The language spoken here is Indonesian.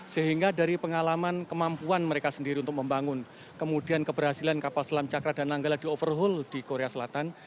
sehingga dari pengalaman kemampuan mereka sendiri untuk membangun kemudian keberhasilan kapal selam cakra dan nanggala di overhaul di korea selatan